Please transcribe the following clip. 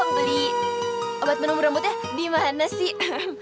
beli obat menunggu rambutnya di mana sih